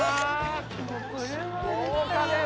豪華です！